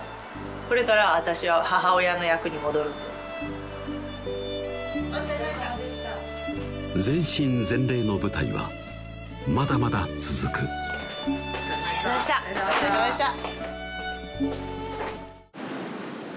これからあたしは母親の役に戻るんでお疲れさまでした全身全霊の舞台はまだまだ続くお疲れさまでしたお疲れさまでした！